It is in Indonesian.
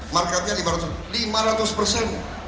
marketnya lima ratus persen